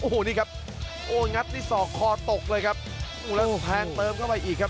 โอ้โหนี่ครับโอ้งัดด้วยศอกคอตกเลยครับแล้วแทงเติมเข้าไปอีกครับ